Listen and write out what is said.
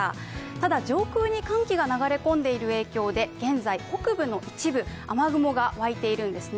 ただ上空に寒気が流れ込んでいる影響で、現在、北部の一部、雨雲が湧いているんですね。